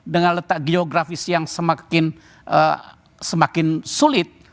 dengan letak geografis yang semakin sulit